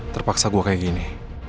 terpaksa gue kayak gini